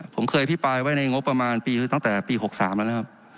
ผมเคยพิปรายไว้ในงบประมาณปี๖๓แล้วนะครับ